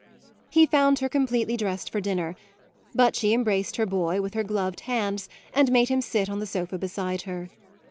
He found her completely dressed for dinner, but she embraced her boy with her gloved hands and made him sit on the sofa beside her.